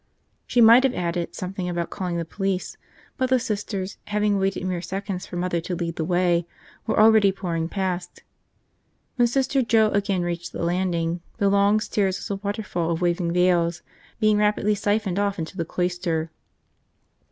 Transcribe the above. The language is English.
She might have added something about calling the police but the Sisters, having waited mere seconds for Mother to lead the way, were already pouring past. When Sister Joe again reached the landing, the long stairs was a waterfall of waving veils being rapidly siphoned off into the cloister.